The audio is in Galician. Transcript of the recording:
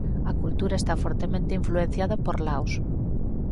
A cultura está fortemente influenciada por Laos.